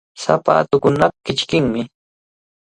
Sapatuukunaqa kichkimi.